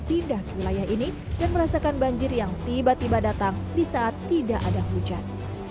pindah wilayah ini dan merasakan banjir yang tiba tiba datang bisa tidak ada hujan